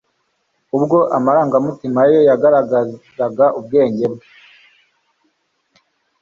ubwo amarangamutima ye yaganzaga ubwenge bwe